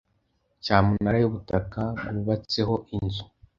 Cyamunara y’ubutaka bwubatseho inzu